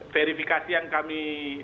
verifikasi yang kami